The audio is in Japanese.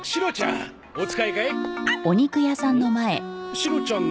シロちゃんの？